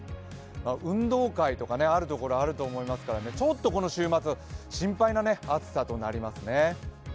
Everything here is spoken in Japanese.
運動会とかあるところ、あると思いますから、ちょっとこの週末、心配な暑さとなりますね。